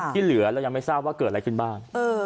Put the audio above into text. ที่เหลือเรายังไม่ทราบว่าเกิดอะไรขึ้นบ้าง